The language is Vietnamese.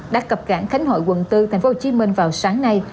đã cập cản khánh hội quận bốn thành phố hồ chí minh vào sáng nay